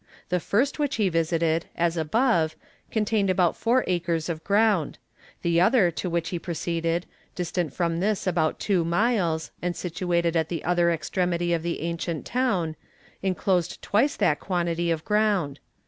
The first which he visited, as above, contained about four acres of ground: the other to which he proceeded, distant from this about two miles, and situated at the other extremity of the ancient town, enclosed twice that quantity of ground.